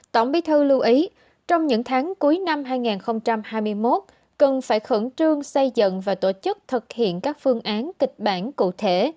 tổng bí thư lưu ý trong những tháng cuối năm hai nghìn hai mươi một cần phải khẩn trương xây dựng và tổ chức thực hiện các phương án kịch bản cụ thể